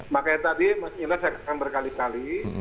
makanya tadi mas ilus saya katakan berkali kali